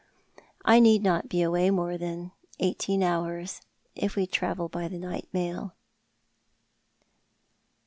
I need not be away more than eighteen hours, if wo travel by the night mail."